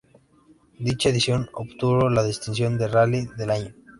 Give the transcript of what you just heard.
Dicha edición obtuvo la distinción de "Rally del Año".